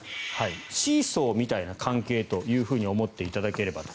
シーソーみたいな関係と思っていただければと。